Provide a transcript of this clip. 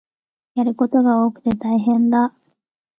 やることが多くて大変だ